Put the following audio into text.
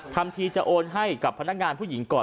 ทำทีจะโอนให้กับพนักงานผู้หญิงก่อน